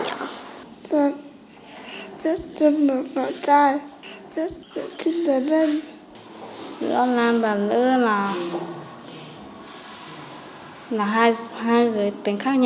ở lớp con con đề học là hai giới tính các đề học rất là vui bổ ích